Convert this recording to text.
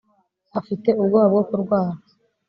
afite ubwoba bwo kurwara